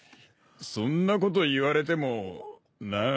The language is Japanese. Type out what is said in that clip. そんなこと言われてもなあ。